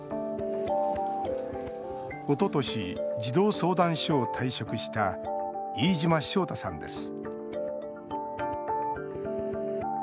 おととし、児童相談所を退職した飯島章太さんです。